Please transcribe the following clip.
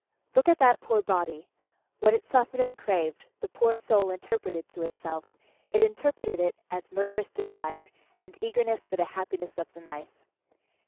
Look at that poor body! What it suffered and craved, the poor soul interpreted to itself it interpreted it as murderous desire, and eagerness for the happiness of the knife.